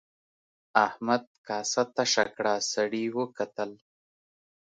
احمد کاسه تشه کړه سړي وکتل.